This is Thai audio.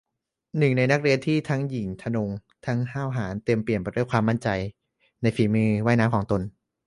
หนึ่งในนักเรียนที่ทั้งหยิ่งทะนง ทั้งห้าวหาญ เต็มเปี่ยมไปด้วยความมั่นใจในฝีมือว่ายน้ำของตน